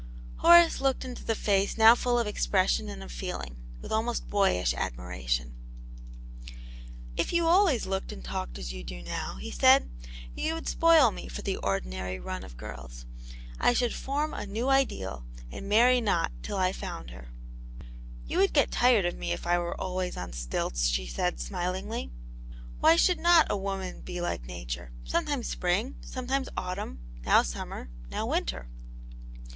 Horace looked into the face now full of expression and of feeling, with almost boy isVv adm\x^X!\o\x. 4^ Aunt Janets Hero, 7 *' If you always looked and talked as you do now," he said, " you would spoil me for the ordinary run of girls. I should form a new ideal, and marry not till I found her." " You would get tired of me if I were always on stilts," she said, smilingly. " Why should not a woman be like nature, sometimes spring, sometimes autumn ; now summer, now winter.